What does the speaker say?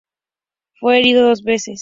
Fue herido dos veces.